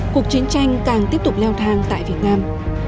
cuộc chiến tranh càng tiếp tục leo thang tại việt nam